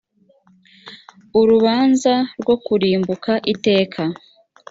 urubanza rwo kurimbuka iteka